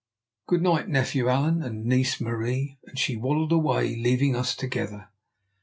Good night, nephew Allan and niece Marie," and she waddled away leaving us together.